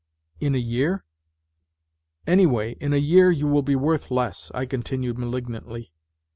"In a year? "" Anyway, in a year you will be worth less," I continued malignantly.